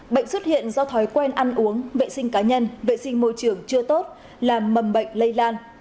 bệnh xuất hiện do thói quen ăn uống vệ sinh cá nhân vệ sinh môi trường chưa tốt làm mầm bệnh lây lan